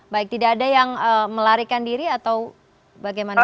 baik tidak ada yang melarikan diri atau bagaimana